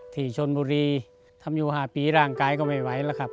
ที่ชนบุรีทำอยู่๕ปีร่างกายก็ไม่ไหวแล้วครับ